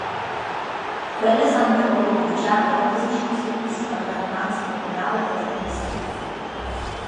Quellas han però provochà grondas discussiuns a la radunanza cumünala da venderdi saira.